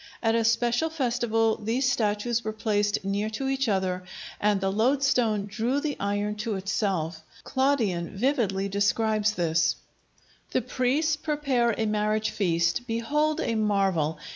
At a special festival these statues were placed near to each other, and the loadstone drew the iron to itself. Claudian vividly describes this: The priests prepare a marriage feast. Behold a marvel!